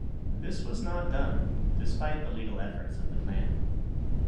This was not done, despite the legal efforts of the clan.